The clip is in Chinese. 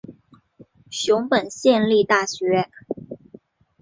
熊本县立大学